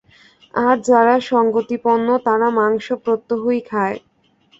আর যারা সঙ্গতিপন্ন, তারা মাংস প্রত্যহই খায়।